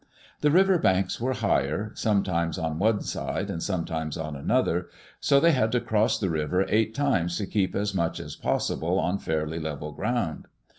The river banks were higher, sometimes on one side and sometimes on another, so they had to cross the river eight times to keep as much as possible on fairly level ground.